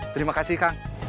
terima kasih kang